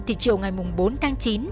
thì chiều ngày bốn tháng chín